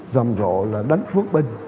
dòng rộ là đánh phước binh